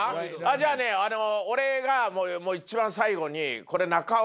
じゃあね俺が一番最後に。